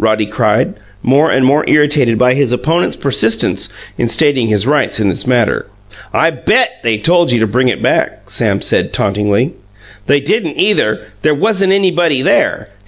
Roddy cried, more and more irritated by his opponent's persistence in stating his rights in this matter. "I BET they told you to bring it back," said Sam tauntingly. "They didn't, either! There wasn't anybody there."